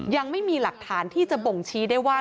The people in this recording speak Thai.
ยังไม่มีหลักฐานที่จะบ่งชี้ได้ว่า